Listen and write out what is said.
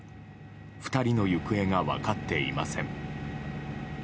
２人の行方が分かっていません。